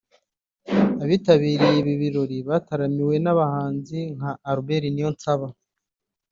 Abitabiriye ibi birori bataramiwe n'abahanzi nka Albert Niyonsaba